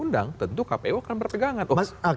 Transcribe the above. dan segala macam